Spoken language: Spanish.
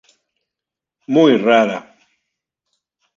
Muy rara.